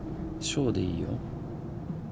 翔でいいよ。